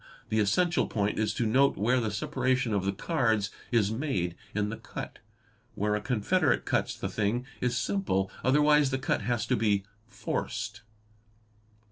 The essential point is to note where the separation of the cards is made in the cut. Where a confederate cuts the thing is simple, otherwise the cut has to be 'forced "'.